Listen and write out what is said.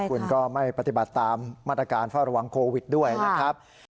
คุณก็ไม่ปฏิบัติตามมาตรการเฝ้าระวังโควิดด้วยนะครับ